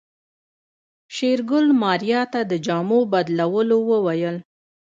شېرګل ماريا ته د جامو بدلولو وويل.